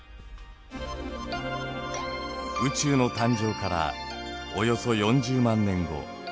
宇宙の誕生からおよそ４０万年後。